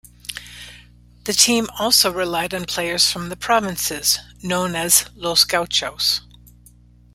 The team also relied on players from the provinces, known as "los gauchos".